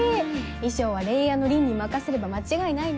衣装はレイヤーの凛に任せれば間違いないね。